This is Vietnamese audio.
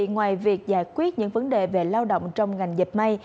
ngoài việc giải quyết những vấn đề về lao động trong ngành dẹp mây